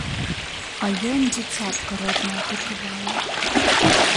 А ён дзіцятка роднае прапівае!